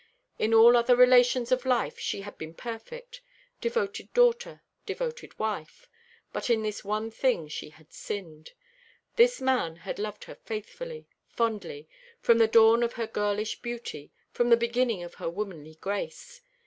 In all other relations of life she had been perfect devoted daughter, devoted wife. But in this one thing she had sinned. This man had loved her faithfully, fondly, from the dawn of her girlish beauty, from the beginning of her womanly grace.